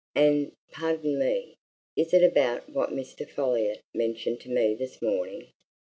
And pardon me is it about what Mr. Folliot mentioned to me this morning?